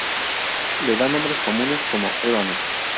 Le dan nombres comunes como: Ébano.